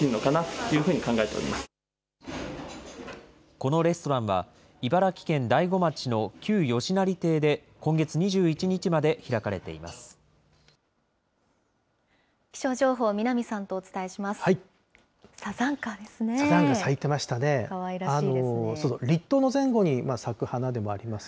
このレストランは、茨城県大子町の旧吉成邸で、今月２１日ま気象情報、南さんとお伝えします。